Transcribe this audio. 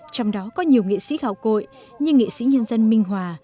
trong đó có nhiều nghệ sĩ khảo cội như nghệ sĩ nhân dân minh hòa